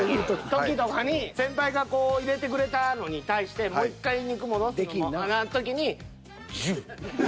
時とかに先輩がこう入れてくれたのに対してもう１回肉戻すのもの時にジュッ。